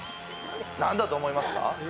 何だと思いますか？